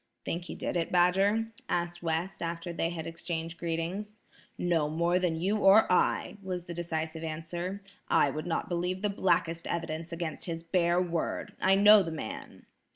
"Think he did it, Badger?" asked West after they had exchanged greetings. "No more than you or I," was the decisive answer. "I would not believe the blackest evidence against his bare word. I know the man."